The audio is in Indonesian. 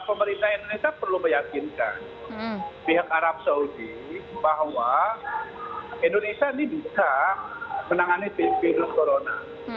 pemerintah indonesia perlu meyakinkan pihak arab saudi bahwa indonesia ini bisa menangani virus corona